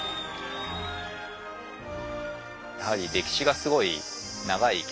やはり歴史がすごい長い生き物でね。